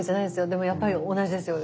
でもやっぱり同じですよ。